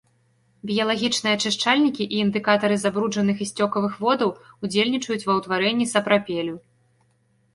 Біялагічныя ачышчальнікі і індыкатары забруджаных і сцёкавых водаў, удзельнічаюць ва ўтварэнні сапрапелю.